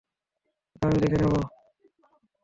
ওটা আমি দেখে নেব।